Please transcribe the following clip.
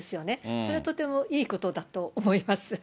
それはとてもいいことだと思います。